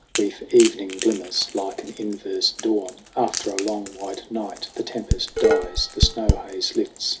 Brief evening glimmers like an inverse dawn After a long white night. The tempest dies ; The snow haze lifts.